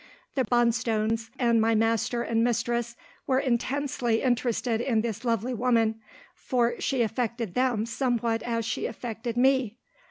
The Bonstones and my master and mistress were intensely interested in this lovely woman, for she affected them somewhat as she affected me.